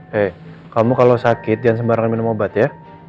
hei kamu kalau sakit jangan sembarangan minum obat ya